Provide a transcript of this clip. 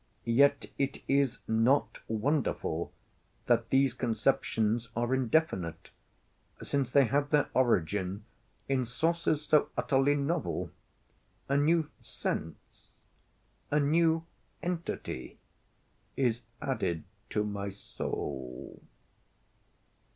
Yet it is not wonderful that these conceptions are indefinite, since they have their origin in sources so utterly novel. A new sense—a new entity is added to my soul.